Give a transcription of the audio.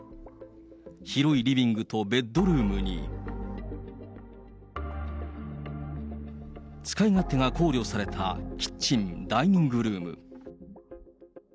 広いリビングとベッドルームに、使い勝手が考慮されたキッチン・ダイニングルーム。